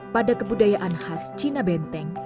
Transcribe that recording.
pada kebudayaan khas cina benteng